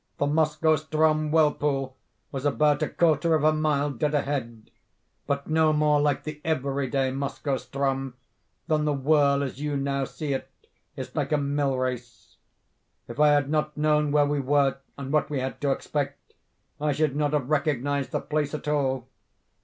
The Moskoe Ström whirlpool was about a quarter of a mile dead ahead—but no more like the every day Moskoe Ström than the whirl as you now see it, is like a mill race. If I had not known where we were, and what we had to expect, I should not have recognised the place at all.